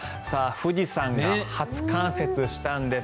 富士山が初冠雪したんです。